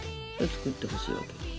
作ってほしいわけよ。